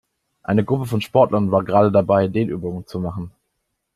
Eine Gruppe von Sportlern war gerade dabei, Dehnübungen zu machen.